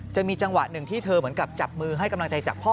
จะมีจังหวะหนึ่งที่เธอเหมือนกับจับมือให้กำลังใจจากพ่อ